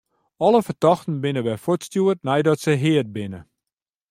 Alle fertochten binne wer fuortstjoerd neidat se heard binne.